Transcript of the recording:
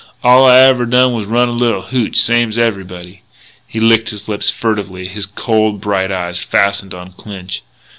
All I ever done was run a little hootch, same's everybody.'" He licked his lips furtively, his cold, bright eyes fastened on Clinch.